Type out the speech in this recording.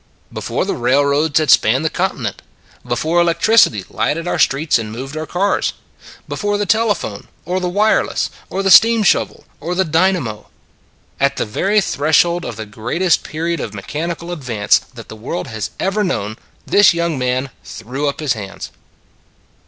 Before the railroads had spanned the con tinent! Before electricity lighted our streets and moved our cars ! Before the telephone, or the wireless, or the steam shovel, or the dynamo ! At the very threshold of the greatest period of me chanical advance that the world has ever known, this young man threw up his hands.